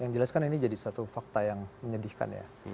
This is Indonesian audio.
yang dijelaskan ini jadi satu fakta yang menyedihkan ya